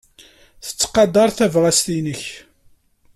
Tettqadar tabɣest-nnek.